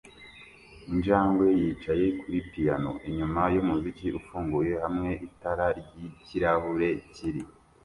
Injangwe yicaye kuri piyano inyuma yumuziki ufunguye hamwe n itara ryikirahure kiri